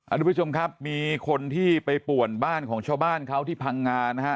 ทุกผู้ชมครับมีคนที่ไปป่วนบ้านของชาวบ้านเขาที่พังงานะฮะ